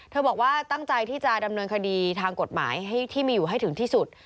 บอกว่าตั้งใจที่จะดำเนินคดีทางกฎหมายที่มีอยู่ให้ถึงที่สุด